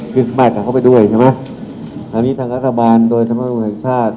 ขึ้นมากกับเขาไปด้วยใช่ไหมคราวนี้ทางรัฐบาลโดยธรรมดุลักษณ์ชาติ